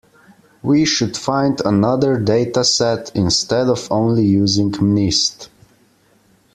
We should find another dataset instead of only using mnist.